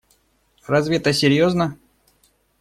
Разве это серьезно?